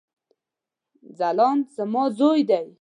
ځلاند زما ځوي دی